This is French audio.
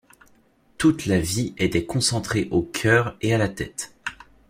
Toute la vie était concentrée au cœur et à la tête